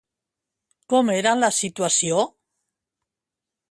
Com era la situació?